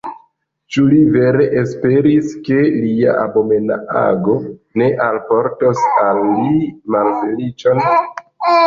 Ĉu li vere esperis, ke lia abomena ago ne alportos al li malfeliĉon?